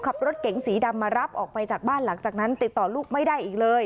ขับรถเก๋งสีดำมารับออกไปจากบ้านหลังจากนั้นติดต่อลูกไม่ได้อีกเลย